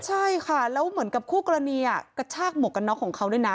ใช่ค่ะแล้วเหมือนกับคู่กรณีกระชากหมวกกันน็อกของเขาด้วยนะ